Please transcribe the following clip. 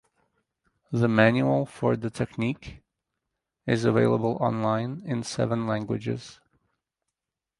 The manual for the technique is available online in seven languages.